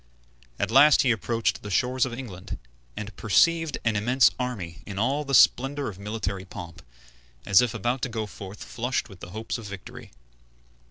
At last he approached the shores of England, and perceived an immense army in all the splendor of military pomp, as if about to go forth flushed with hopes of victory.